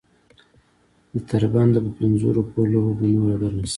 د تر بنده په پنځو روپو لوبه به نوره ګرمه شي.